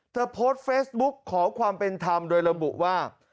โพสต์เฟซบุ๊กขอความเป็นธรรมโดยระบุว่า